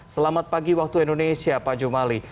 selamat pagi waktu indonesia pak jumali